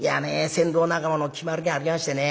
船頭仲間の決まりがありましてね